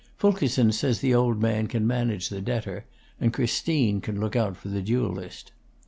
Fulkerson says the old man can manage the debtor, and Christine can look out for the duellist.